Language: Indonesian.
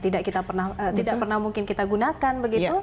tidak pernah mungkin kita gunakan begitu